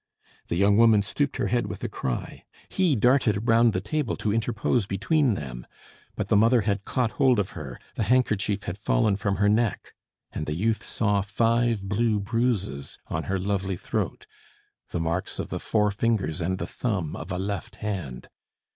The young woman stooped her head with a cry. He darted round the table to interpose between them. But the mother had caught hold of her; the handkerchief had fallen from her neck; and the youth saw five blue bruises on her lovely throat the marks of the four fingers and the thumb of a left hand.